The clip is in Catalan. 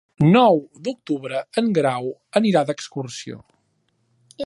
El nou d'octubre en Grau anirà d'excursió.